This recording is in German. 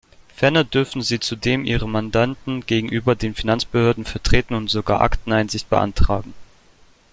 Ferner dürfen sie zudem ihre Mandanten gegenüber den Finanzbehörden vertreten und sogar Akteneinsicht beantragen.